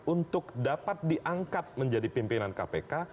untuk dapat diangkat menjadi pimpinan kpk